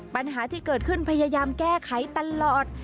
ปัญหาที่เกิดขึ้นพยายามแก้ไขตลอด